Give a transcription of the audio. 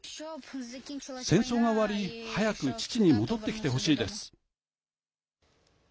戦争が終わり早く父に戻ってきてほしいです。